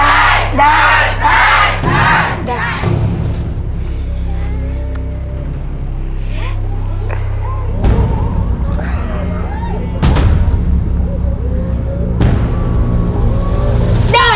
ยังเหลือเวลาทำไส้กรอกล่วงได้เยอะเลยลูก